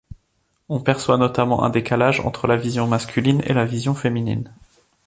On perçoit notamment un décalage entre la vision masculine et la vision féminine.